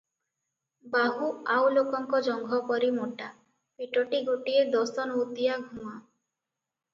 ବାହୁ ଆଉ ଲୋକଙ୍କ ଜଙ୍ଘ ପରି ମୋଟା, ପେଟଟି ଗୋଟିଏ ଦଶ ନୌତିଆ ଘୁମା ।